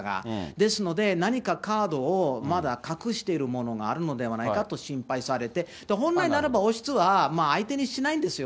ですので、何かカードをまだ、隠してるものがあるのではないかと心配されて、本来ならば、王室は相手にしないんですよ。